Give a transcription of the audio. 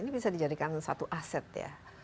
ini bisa dijadikan satu aset ya